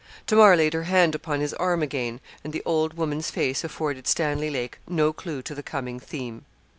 Tamar laid her hand upon his arm again; and the old woman's face afforded Stanley Lake no clue to the coming theme.